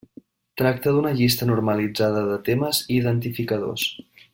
Tracta d'una llista normalitzada de temes i identificadors.